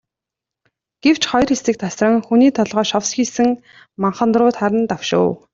Гэвч хоёр хэсэг тасран, хүний толгой шовсхийсэн манхан руу таран давшив.